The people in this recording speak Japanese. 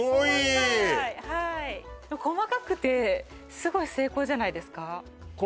細かい細かくてすごい精巧じゃないですか？